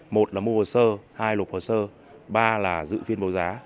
một là mua hồ sơ hai là lục hồ sơ ba là giữ phiên bầu giá